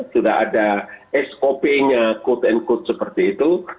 sudah ada sop nya quote unquote seperti itu